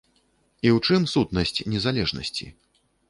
І ў чым сутнасць незалежнасці?